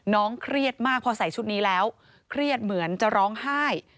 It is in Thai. เครียดมากพอใส่ชุดนี้แล้วเครียดเหมือนจะร้องไห้